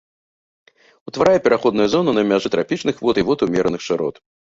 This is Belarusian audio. Утварае пераходную зону на мяжы трапічных вод і вод умераных шырот.